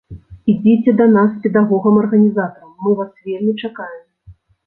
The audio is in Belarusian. Ідзіце да нас педагогам-арганізатарам, мы вас вельмі чакаем.